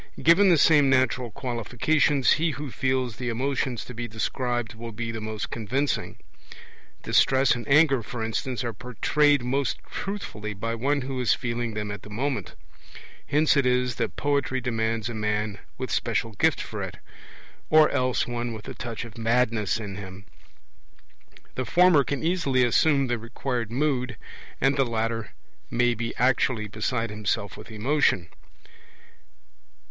Given the same natural qualifications, he who feels the emotions to be described will be the most convincing; distress and anger, for instance, are portrayed most truthfully by one who is feeling them at the moment. Hence it is that poetry demands a man with special gift for it, or else one with a touch of madness in him; the former can easily assume the required mood, and the latter may be actually beside himself with emotion.